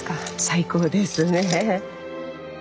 最高ですね。